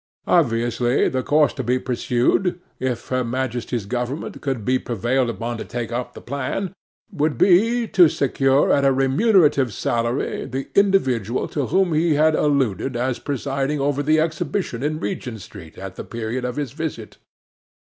Obviously the course to be pursued, if Her Majesty's government could be prevailed upon to take up the plan, would be, to secure at a remunerative salary the individual to whom he had alluded as presiding over the exhibition in Regent street at the period of his visit.